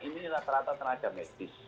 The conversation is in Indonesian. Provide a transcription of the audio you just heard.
ini rata rata tenaga medis